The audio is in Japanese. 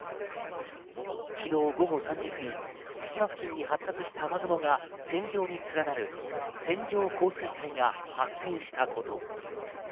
昨日午後３時過ぎ、対馬付近に発達した雨雲が線状に連なる線状降水帯が発生したこと。